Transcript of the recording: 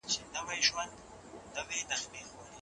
نوره هم